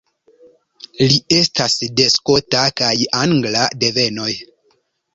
Li estas de skota kaj angla devenoj.